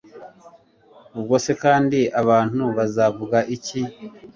ubwose kandi abantu bazavuga iki